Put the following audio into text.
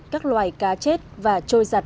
các loài cá chết và trôi giặt